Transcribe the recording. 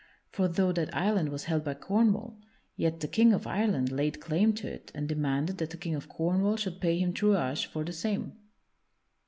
For though that island was held by Cornwall, yet the King of Ireland laid claim to it and demanded that the King of Cornwall should pay him truage for the same.